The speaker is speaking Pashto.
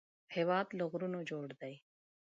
هېواد له غرونو جوړ دی